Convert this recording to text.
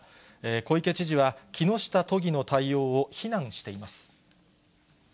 小池知事は、木下都議の対応を非難しています。